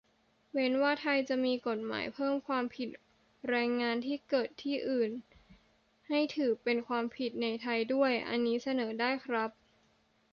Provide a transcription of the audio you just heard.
เว้นว่าไทยจะมีกฎหมายเพิ่มว่าความผิดแรงงานที่เกิดที่อื่น ให้ถือเป็นความผิดในไทยด้วย อันนี้เสนอได้ครับ